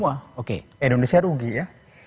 rugi semua indonesia rugi ya